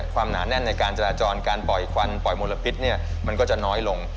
หนาแน่นในการจราจรการปล่อยควันปล่อยมลพิษมันก็จะน้อยลง